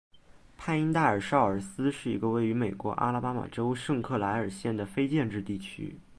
派因代尔绍尔斯是一个位于美国阿拉巴马州圣克莱尔县的非建制地区。